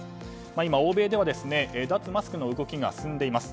今、欧米では脱マスクの動きが進んでいます。